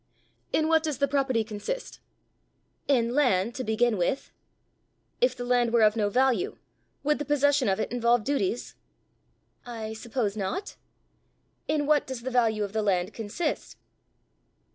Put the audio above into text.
"In what does the property consist?" "In land, to begin with." "If the land were of no value, would the possession of it involve duties?" "I suppose not." "In what does the value of the land consist?"